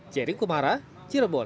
ciring kumara cirebon